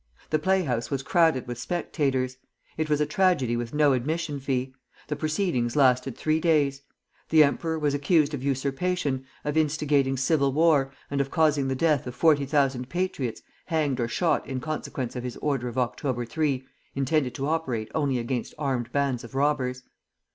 The play house was crowded with spectators. It was a tragedy with no admission fee. The proceedings lasted three days. The emperor was accused of usurpation, of instigating civil war, and of causing the death of forty thousand patriots, hanged or shot in consequence of his order of October 3, intended to operate only against armed bands of robbers.